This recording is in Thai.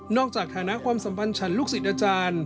จากฐานะความสัมพันธ์ฉันลูกศิษย์อาจารย์